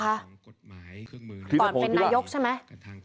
ก่อนเป็นนายกใช่ไหม